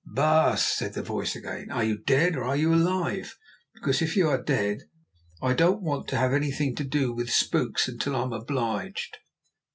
"Baas," said the voice again, "are you dead or are you alive? Because, if you are dead, I don't want to have anything to do with spooks until I am obliged."